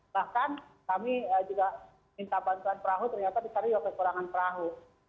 bahkan kami juga minta bantuan perahu ternyata disuruh diopi kurangan perahu